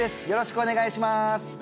よろしくお願いします